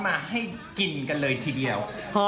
มาให้กินกันเลยทีเดียว